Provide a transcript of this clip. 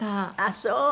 あっそう。